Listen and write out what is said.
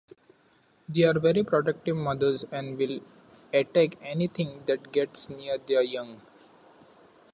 They are very protective mothers and will attack anything that gets near their young.